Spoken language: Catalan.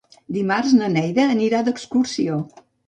Dimarts na Neida anirà d'excursió.